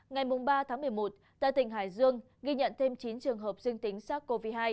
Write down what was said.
ngày ba tháng một mươi một tại tỉnh hải dương ghi nhận thêm chín trường hợp dương tính sars cov hai